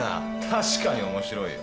確かに面白いよ。